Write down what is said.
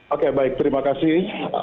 oke baik terima kasih